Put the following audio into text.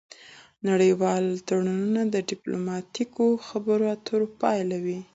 نړیوال تړونونه د ډیپلوماتیکو خبرو اترو پایله وي